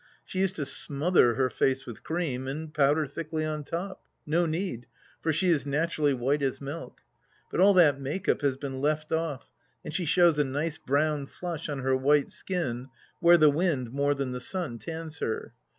She used to smother her face with cream, and powder thickly on top. No need, for she is naturally white as milk. But all that make up has been left off, and she shows a nice brown flush on her white skin where the wind, more than the sun, tans her.